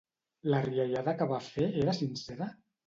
La riallada que va fer era sincera?